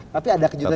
tapi ada kejutan gitu